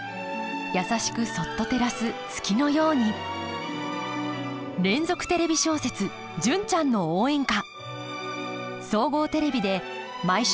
優しくそっと照らす月のように連続テレビ小説「純ちゃんの応援歌」。